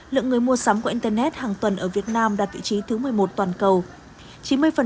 lượng người mua sắm của internet hàng tuần ở việt nam đạt vị trí thứ một mươi một toàn cầu